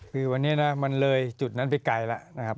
คือวันนี้นะมันเลยจุดนั้นไปไกลแล้วนะครับ